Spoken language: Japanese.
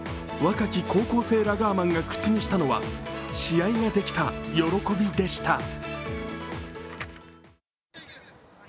若き高校生ラガーマンが口にしたのは、試合ができた喜びでした。